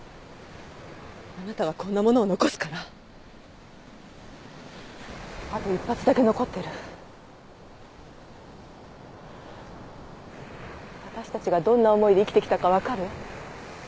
あなたがこんなものを残すからあと１発だけ残ってる私たちがどんな思いで生きてきたか分かる？